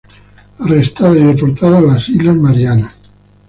Fue arrestada y deportada a las islas de islas Marianas.